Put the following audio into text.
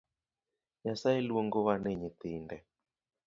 Nyasaye luongowa ni nyithinde